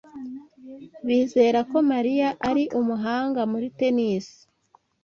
Bizera ko Mariya ari umuhanga muri tennis